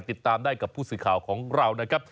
ติดตามได้กับผู้สื่อข่าวของเรานะครับ